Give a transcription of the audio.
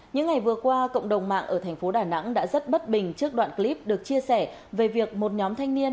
những ngày vừa qua cộng đồng mạng ở thành phố đà nẵng đã rất bất bình trước đoạn clip được chia sẻ về việc một nhóm thanh niên